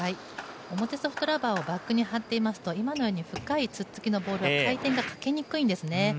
表ソフトラバーをバックに張っていますと今のように深いツッツキのボールは回転がかけにくいんですね。